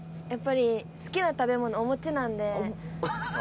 やっぱり好きな食べ物お餅なんで。